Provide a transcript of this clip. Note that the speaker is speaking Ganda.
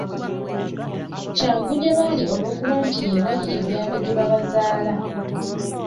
Kyangu gye bali olw’okuba nti ye wali ebyalo gye babazaala.